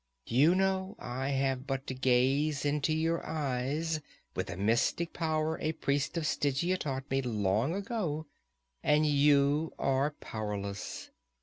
You know I have but to gaze into your eyes, with the mystic power a priest of Stygia taught me, long ago, and you are powerless.